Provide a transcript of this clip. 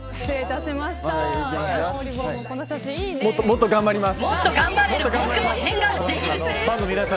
もっと頑張ります。